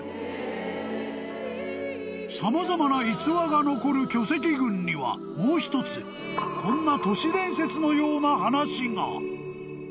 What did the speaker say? ［様々な逸話が残る巨石群にはもう一つこんな］